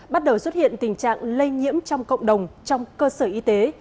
bắt đầu xuất hiện tình trạng lây nhiễm trong cộng đồng trong cơ sở y tế